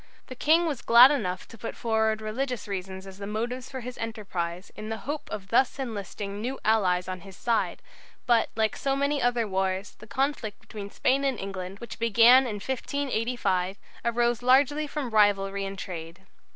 The King was glad enough to put forward religious reasons as the motives for his enterprise in the hope of thus enlisting new allies on his side, but, like so many other wars, the conflict between Spain and England, which began in 1585, arose largely from rivalry in trade.